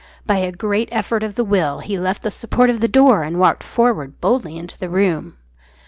By a great effort of the will he left the support of the door and walked forward boldly into the room.